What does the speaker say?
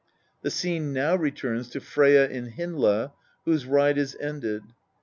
The scene now returns to Freyja and Hyndla, whose ride is ended.